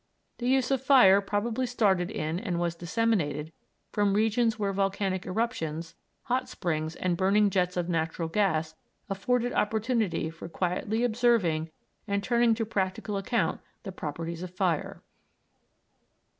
The use of fire probably started in and was disseminated from regions where volcanic eruptions, hot springs, and burning jets of natural gas afforded opportunity for quietly observing and turning to practical account the properties of fire.